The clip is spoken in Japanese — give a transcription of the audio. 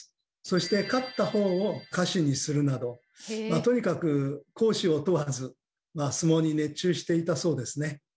そして勝ったほうを家臣にするなどまあとにかく公私を問わず相撲に熱中していたそうですね。